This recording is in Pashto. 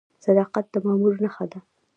صداقت د مامور نښه ده؟